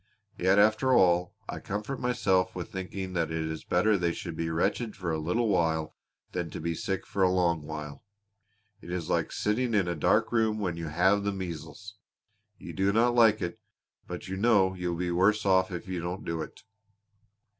Yet after all I comfort myself with thinking that it is better they should be wretched for a little while than to be sick for a long while. It is like sitting in a dark room when you have the measles you do not like it but you know you will be worse off if you don't do it."